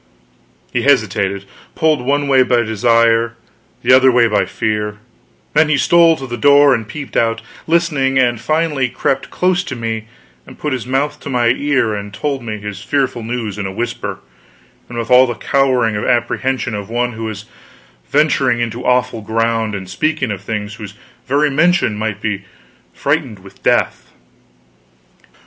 He hesitated, pulled one way by desire, the other way by fear; then he stole to the door and peeped out, listening; and finally crept close to me and put his mouth to my ear and told me his fearful news in a whisper, and with all the cowering apprehension of one who was venturing upon awful ground and speaking of things whose very mention might be freighted with death.